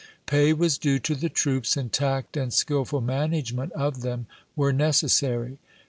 Pay was due to the troops, and tact and skilful management of them were necessary.